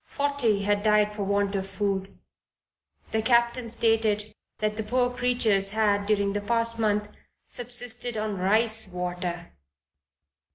Forty had died for want of food. The captain stated that the poor creatures had, during the past month, subsisted on rice water."